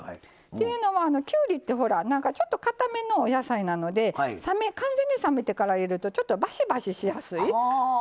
というのはきゅうりってちょっとかためのお野菜なので完全に冷めてから入れるとちょっとばしばししやすい。